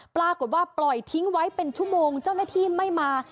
ปรากฏว่าปล่อยทิ้งไว้เป็นชั่วโมงเจ้าหน้าที่ไม่มา